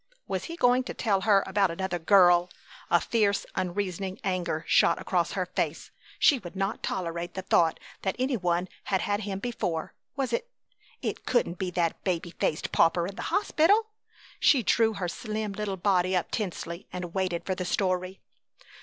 Was he going to tell her about another girl? A fierce, unreasoning anger shot across her face. She would not tolerate the thought that any one had had him before her. Was it ? It couldn't be that baby faced pauper in the hospital? She drew her slim little body up tensely and waited for the story.